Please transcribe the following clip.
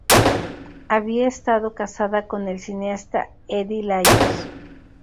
Había estado casada con el cineasta Eddie Lyons.